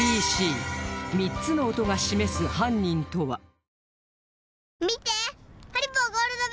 ［３つの音が示す犯人とは？］